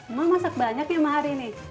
emang masak banyak ya ma hari ini